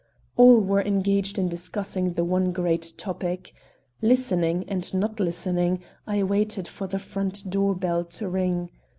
All were engaged in discussing the one great topic. Listening and not listening, I waited for the front door bell to ring.